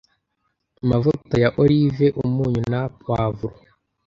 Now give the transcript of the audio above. amavuta ya Olive, umunyu na poivre